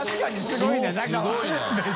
すごいね。